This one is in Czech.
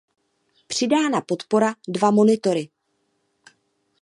Přidána podpora dva monitory.